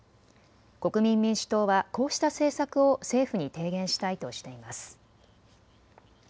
国民民主党はこうした政策を政府に提言したいとしています。